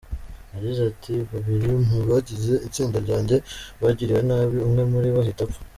Yagize ati, “Babiri mu bagize itsinda ryanjye bagiriwe nabi, umwe muri bo ahita apfa.